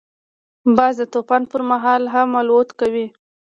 باز د طوفان پر مهال هم الوت کوي